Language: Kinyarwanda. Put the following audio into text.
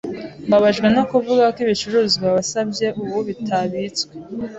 Mbabajwe no kuvuga ko ibicuruzwa wasabye ubu bitabitswe.